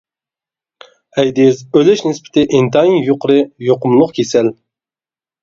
ئەيدىز ئۆلۈش نىسبىتى ئىنتايىن يۇقىرى يۇقۇملۇق كېسەل.